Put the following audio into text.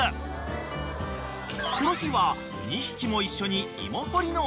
［この日は２匹も一緒に］